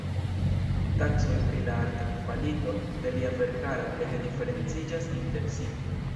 Taksoj pri la arta kvalito de lia verkaro ege diferenciĝas inter si.